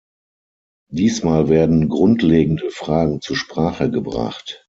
Diesmal werden grundlegende Fragen zur Sprache gebracht.